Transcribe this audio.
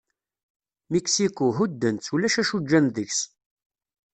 Miksiku, hudden-tt, ulac acu ǧǧan deg-s.